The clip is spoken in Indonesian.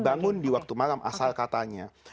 bangun di waktu malam asal katanya